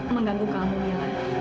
mengganggu kamu mila